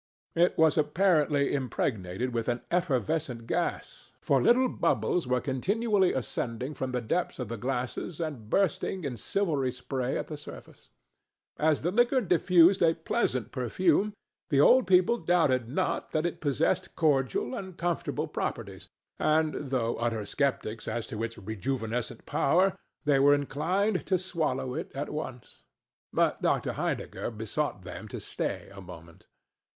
It was apparently impregnated with an effervescent gas, for little bubbles were continually ascending from the depths of the glasses and bursting in silvery spray at the surface. As the liquor diffused a pleasant perfume, the old people doubted not that it possessed cordial and comfortable properties, and, though utter sceptics as to its rejuvenescent power, they were inclined to swallow it at once. But Dr. Heidegger besought them to stay a moment.